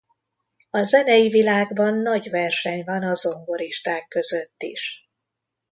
A zenei világban nagy verseny van a zongoristák között is.